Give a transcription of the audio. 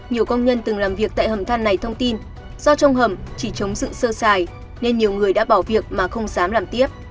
nhiều công nhân từng làm việc tại hầm than này thông tin do trong hầm chỉ chống sự sơ xài nên nhiều người đã bỏ việc mà không dám làm tiếp